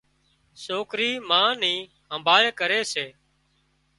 سوڪري ما نِي همڀاۯ ڪري سي